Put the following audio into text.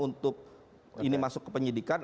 untuk ini masuk ke penyidikan